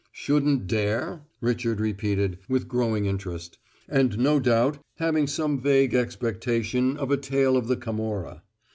"Shouldn't `dare'?" Richard repeated, with growing interest, and no doubt having some vague expectation of a tale of the Camorra.